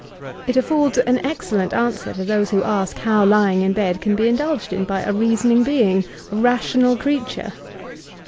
It affords an excellent answer to those, who ask how lying in bed can be indulged in by a reasoning being, — a rational creature.